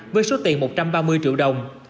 với số tiền một trăm ba mươi triệu đồng